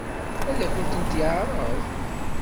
Ad akent-tent-yeɛṛeḍ?